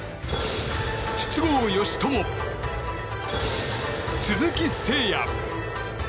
筒香嘉智、鈴木誠也。